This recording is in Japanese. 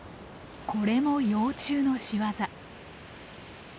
これも幼虫の仕業。